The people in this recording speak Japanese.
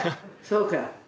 そうか。